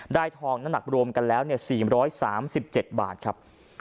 ได้ทองนักรวมกันแล้ว๔๓๗บาทครับ